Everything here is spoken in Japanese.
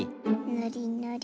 ぬりぬり。